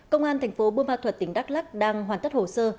công an tp bumathuat tỉnh đắk lắc đang hoàn tất hồ sơ